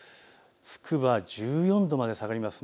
つくば１４度まで下がります。